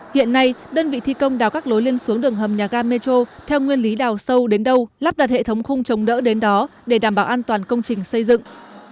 hiện nay đơn vị thi công đào các lối lên xuống đường hầm nhà ga metro theo nguyên lý đào sâu đến đâu lắp đặt hệ thống khung trồng đỡ đến đó để đảm bảo an toàn công trình xây dựng